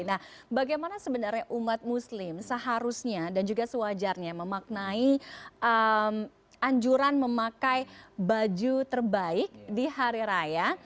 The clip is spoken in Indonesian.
nah bagaimana sebenarnya umat muslim seharusnya dan juga sewajarnya memaknai anjuran memakai baju terbaik di hari raya